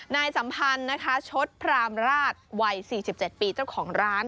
สัมพันธ์นะคะชดพรามราชวัย๔๗ปีเจ้าของร้าน